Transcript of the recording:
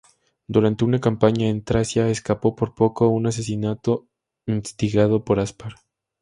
Durante una campaña en Tracia, escapó por poco de un asesinato instigado por Aspar.